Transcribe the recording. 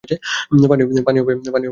পানি হবে কারো কাছে?